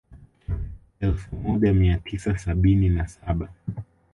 Elfu moja mia tisa sabini na saba